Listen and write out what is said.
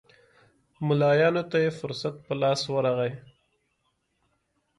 ملایانو ته یې فرصت په لاس ورغی.